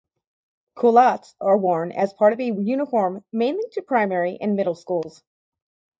Culottes are worn as part of a uniform mainly to primary and middle schools.